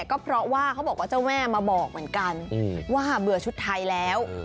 ก็เพราะว่าเขาบอกว่าเจ้าแม่มาบอกเหมือนกันว่าเบื่อชุดไทยแล้ว